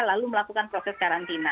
lalu melakukan proses karantina